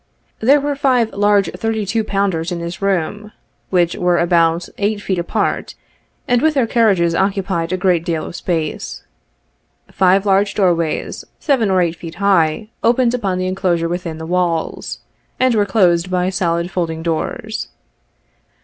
There were five large thirty two pounders in this room, which were about eight feet apart, and with their carriages occupied a great deal of space. Five large doorways, seven or eight feet high, opened upon the enclosure within the walls, and were closed by solid fold ing doors.